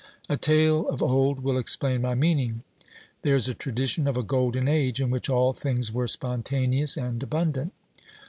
A tale of old will explain my meaning. There is a tradition of a golden age, in which all things were spontaneous and abundant.